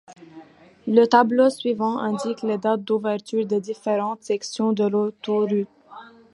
Le tableau suivant indique les dates d'ouverture des différentes sections de l'autoroute.